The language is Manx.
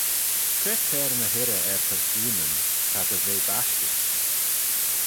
Cre t'er ny hirrey er persoonyn ta dy ve bashtit?